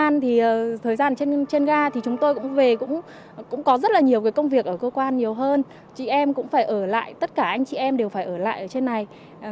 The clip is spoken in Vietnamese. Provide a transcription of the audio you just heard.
nhiều công việc ở cơ quan nhiều hơn chị em cũng phải ở lại tất cả anh chị em đều phải ở lại ở trên này